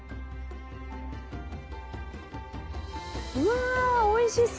うわおいしそう！